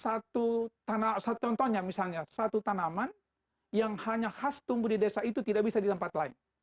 satu contohnya misalnya satu tanaman yang hanya khas tumbuh di desa itu tidak bisa di tempat lain